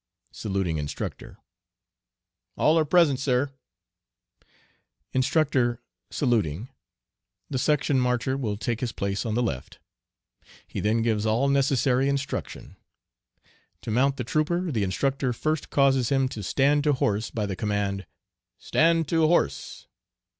(Saluting Instructor) All are present, sir! Instructor (saluting). The Section Marcher will take his place on the left. He then gives all necessary instruction. "To mount the trooper the Instructor first causes him to stand to horse by the command 'Stand to horse!'